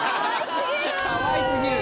かわいすぎる！